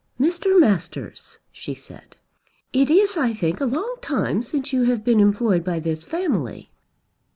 "Mr. Masters," she said, "it is I think a long time since you have been employed by this family."